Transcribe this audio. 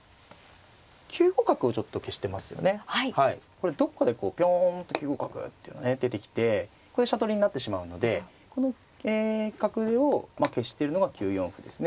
これどこかでピョンと９五角っていうので出てきてこれで飛車取りになってしまうのでこの角出を消してるのが９四歩ですね。